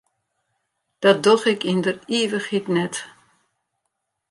Dat doch ik yn der ivichheid net.